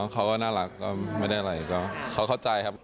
เขาก็น่ารักก็ไม่ได้อะไรก็เขาเข้าใจครับ